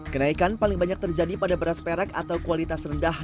kenaikan paling banyak terjadi pada beras perak atau kualitas rendah